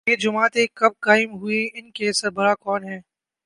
یہ جماعتیں کب قائم ہوئیں، ان کے سربراہ کون ہیں۔